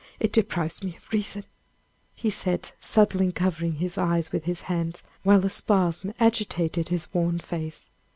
it deprives me of reason," he said, suddenly covering his eyes with his hands, while a spasm agitated his worn face.